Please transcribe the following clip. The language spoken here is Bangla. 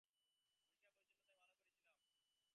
পরিষ্কার-পরিচ্ছন্নতায় ভালো করেছিলাম।